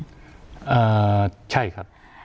อ่าใช่ครับ